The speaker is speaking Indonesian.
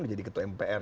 dia jadi ketua mpr